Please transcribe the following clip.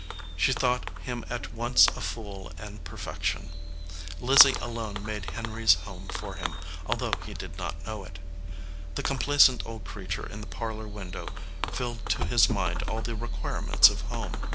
She thought him at once a fool and perfec tion. Lizzie alone made Henry s home for him, although he did not know it. The complacent old creature in the parlor window filled to his mind all the requirements of home.